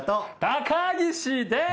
高岸です！